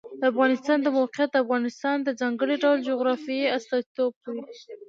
د افغانستان د موقعیت د افغانستان د ځانګړي ډول جغرافیه استازیتوب کوي.